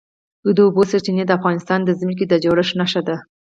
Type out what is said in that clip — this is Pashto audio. د اوبو سرچینې د افغانستان د ځمکې د جوړښت نښه ده.